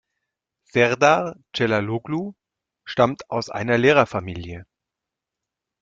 Sərdar Cəlaloğlu stammt aus einer Lehrerfamilie.